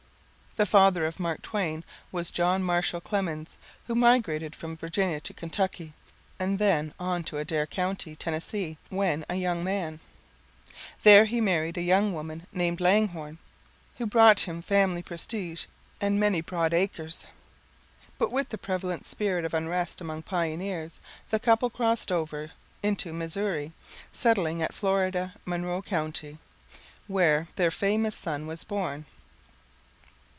The father of Mark Twain was John Marshall Clemens, who migrated from Virginia to Kentucky, and then on to Adair County, Tennessee, when a young man. There he married a young woman named Langhorne, who brought him family prestige and many broad acres. But with the prevalent spirit of unrest among pioneers, the couple crossed over into Missouri, settling at Florida, Monroe County, where, [text unreadable] their [text unreadable] famous son was born.